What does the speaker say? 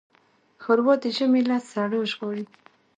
ښوروا د ژمي له سړو ژغوري.